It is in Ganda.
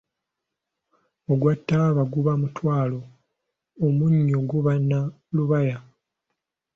Ogwa taaba guba mutwalo, omunnyo guba na lubaya.